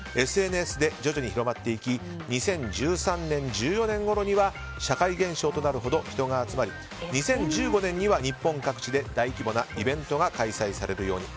ＳＮＳで徐々に広まっていき２０１３年、２０１４年ごろには社会現象となるほど人が集まり２０１５年には日本各地で大規模なイベントが開催されるように。